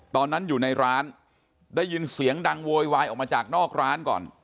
ตอนนั้นอยู่ในร้านได้ยินเสียงดังโวยวายออกมาจากนอกร้านก่อน